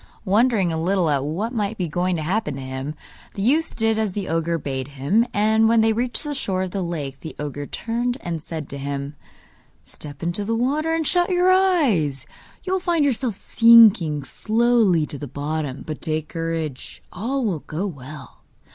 Wondering a little at what might be going to happen to him, the youth did as the ogre bade him, and when they reached the shore of the lake, the ogre turned and said to him: 'Step into the water and shut your eyes! You will find yourself sinking slowly to the bottom; but take courage, all will go well.